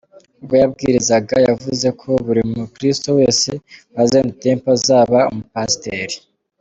Ubwo yabwirizaga yavuze ko buri mukristo wese wa Zion Temple azaba umupasiteri.